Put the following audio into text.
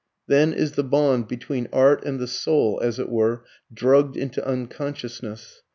] Then is the bond between art and the soul, as it were, drugged into unconsciousness.